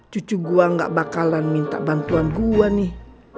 cucu gua gak bakalan minta bantuan gua nih